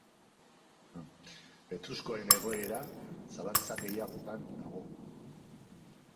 Etruskoen egoera zalantza gehiagotan dago.